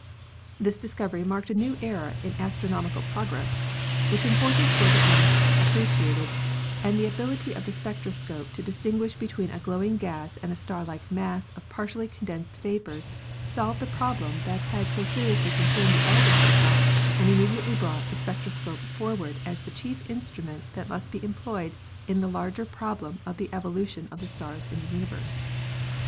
This discovery marked a new era in astronomical progress. Its importance was at once appreciated, and the ability of the spectroscope to distinguish between a glowing gas and a star like mass of partially condensed vapors solved the problem that had so seriously concerned the elder Herschel and immediately brought the spectroscope forward as the chief instrument that must be employed in the larger problem of the evolution of the stars in the universe.